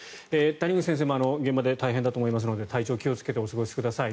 谷口先生も現場で大変だと思いますので体調お気をつけてお過ごしください。